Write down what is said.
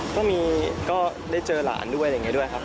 ก็ได้เจอหลานด้วยอะไรอย่างนี้ด้วยครับ